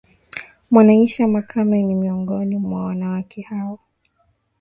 Mwanaisha Makame ni miongoni mwa wanawake hao